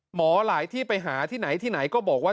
หมอหลายที่ไปหาที่ไหนก็บอกว่า